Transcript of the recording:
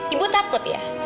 ibu takut ya